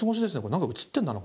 なんか映ってんだな